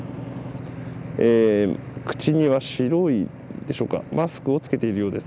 口には白いでしょうかマスクをつけているようです。